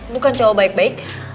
bukan cowo baik baik